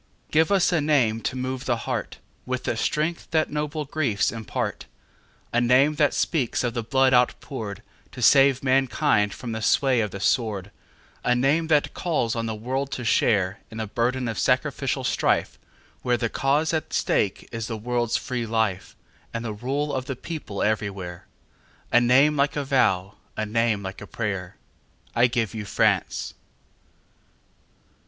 Give us a name to move the heartWith the strength that noble griefs impart,A name that speaks of the blood outpouredTo save mankind from the sway of the sword,—A name that calls on the world to shareIn the burden of sacrificial strifeWhere the cause at stake is the world's free lifeAnd the rule of the people everywhere,—A name like a vow, a name like a prayer.I give you France!